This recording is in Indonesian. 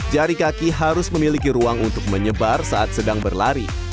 jari kaki harus memiliki ruang untuk menyebar saat sedang berlari